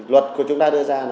luật của chúng ta là